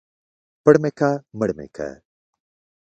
پړ مى که مړ مى که.